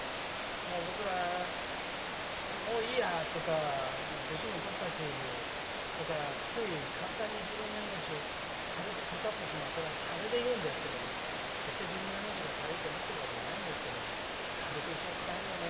僕ら、もういいやとか歳もとったしとかつい簡単に自分の命を軽く語ってしまう、それはしゃれで言うんですけど決して自分の命が軽いと思ってるわけじゃないんですけど軽く言っちゃうことあるよね。